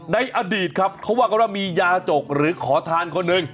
ในอดีตครับเขาว่ากันว่ามียาจกหรือขอทานคนหนึ่ง